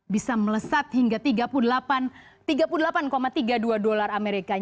bisa melesat hingga tiga puluh delapan tiga puluh dua dolar amerika